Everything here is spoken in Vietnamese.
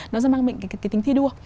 nó sẽ mang mình cái tình thi đua